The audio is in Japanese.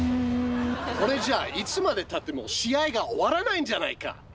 これじゃあいつまでたっても試合が終わらないじゃないか！